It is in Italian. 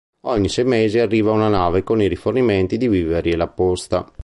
Ogni sei mesi arriva una nave con i rifornimenti di viveri e la posta.